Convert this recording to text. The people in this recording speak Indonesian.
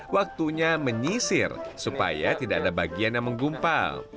waktunya menyisir supaya tidak ada bagian yang menggumpal